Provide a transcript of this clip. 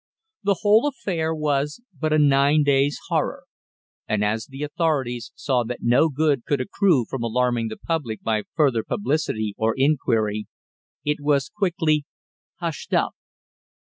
The whole affair was but a nine days' horror, and as the authorities saw that no good could accrue from alarming the public by further publicity or inquiry, it was quickly "Hushed up."